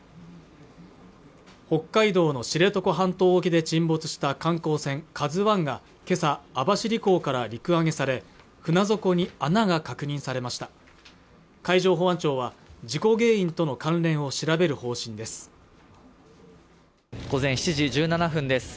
北海道の知床半島沖で沈没した観光船「ＫＡＺＵ１」が今朝網走港から陸揚げされ船底に穴が確認されました海上保安庁は事故原因との関連を調べる方針です午前７時１７分です